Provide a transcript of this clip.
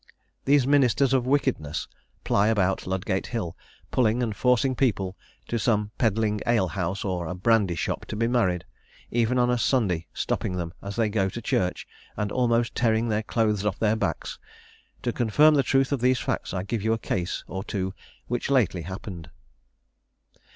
These ministers of wickedness ply about Ludgate hill, pulling and forcing people to some pedling ale house or a brandy shop to be married, even on a Sunday stopping them as they go to church, and almost tearing their clothes off their backs. To confirm the truth of these facts I will give you a case or two which lately happened.